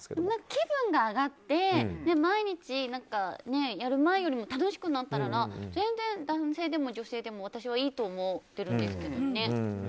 気分が上がって、毎日やる前よりも楽しくなったら全然、男性でも女性でも私はいいと思ってるんですけどね。